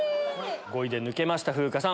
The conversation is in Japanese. ５位で抜けました風花さん。